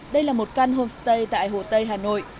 đây là một căn homestay tại hồ tây hà nội